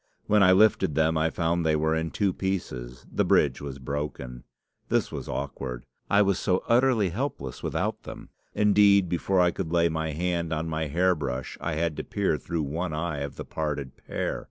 When I lifted them I found they were in two pieces; the bridge was broken. This was awkward. I was so utterly helpless without them! Indeed, before I could lay my hand on my hair brush I had to peer through one eye of the parted pair.